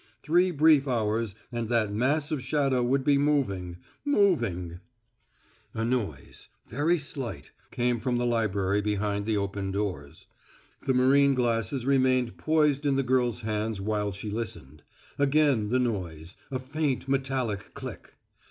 Three brief hours and that mass of shadow would be moving moving A noise, very slight, came from the library behind the opened doors. The marine glasses remained poised in the girl's hands while she listened. Again the noise a faint metallic click.